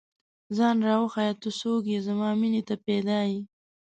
ځان راوښیه، ته څوک ئې؟ زما مینې ته پيدا ې